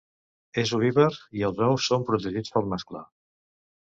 És ovípar i els ous són protegits pel mascle.